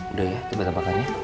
udah ya coba tambahkan ya